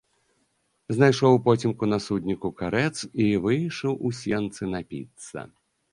Знайшоў упоцемку на судніку карэц і выйшаў у сенцы напіцца.